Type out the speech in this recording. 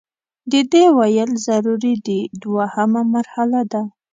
د دې ویل ضروري دي دوهمه مرحله ده.